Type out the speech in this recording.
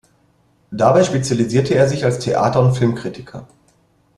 Dabei spezialisierte er sich als Theater- und Filmkritiker.